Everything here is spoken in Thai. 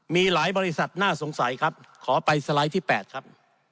มีหลายบริษัทน่าสงสัยครับขอไปสไลด์ที่๘ครับ